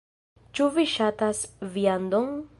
Ĉu vi ŝatas viandon?